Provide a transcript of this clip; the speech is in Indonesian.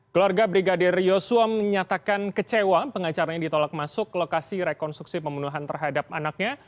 keluarga brigadir yosua menyatakan kecewa pengacaranya ditolak masuk ke lokasi rekonstruksi pembunuhan terhadap anaknya